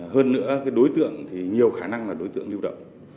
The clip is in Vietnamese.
hơn nữa đối tượng thì nhiều khả năng là đối tượng lưu động